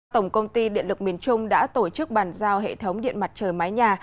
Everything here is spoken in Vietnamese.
tổng công ty điện lực miền trung đã tổ chức bàn giao hệ thống điện mặt trời mái nhà